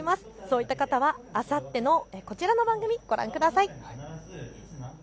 そういった方はあさってのこちらの番組、ご覧ください。